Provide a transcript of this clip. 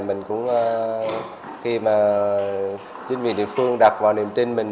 mình cũng khi mà chính quyền địa phương đặt vào niềm tin mình